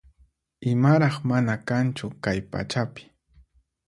Imaraq mana kanchu kay pachapi